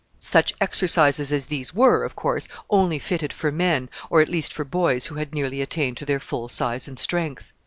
Such exercises as these were, of course, only fitted for men, or at least for boys who had nearly attained to their full size and strength.